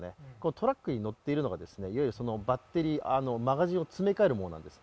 トラックに載っているのがバッテリー、マガジンを詰め替えるものなんです。